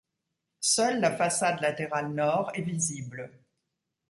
Seule la façade latérale nord est visible.